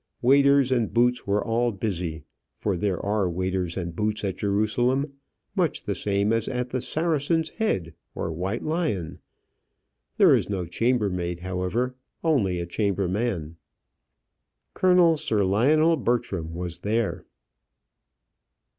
Waiters and boots were all busy for there are waiters and boots at Jerusalem, much the same as at the "Saracen's Head," or "White Lion;" there is no chambermaid, however, only a chamberman. Colonel Sir Lionel Bertram was there.